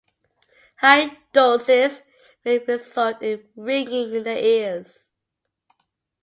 High doses may result in ringing in the ears.